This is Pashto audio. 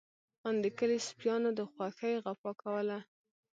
آن د کلي سپيانو د خوښۍ غپا کوله.